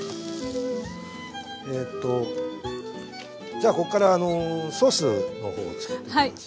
じゃここからソースの方をつくっていきます。